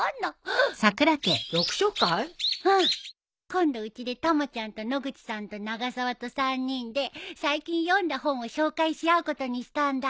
今度うちでたまちゃんと野口さんと永沢と３人で最近読んだ本を紹介し合うことにしたんだ。